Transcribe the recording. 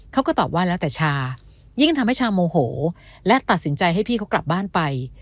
เขาก็ตอบว่าแล้วแต่ชายิ่งทำให้ชาโมโหและตัดสินใจให้พี่เขากลับบ้านไป